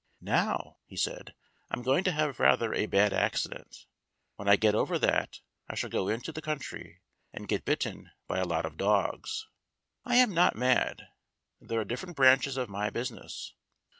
"Now," he said, "I am going to have rather a bad accident. When I get over that I shall go into the country and get bitten by a lot of dogs. I am not mad these are different branches of my business."